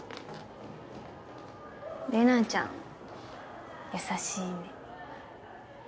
レナちゃん優しいね。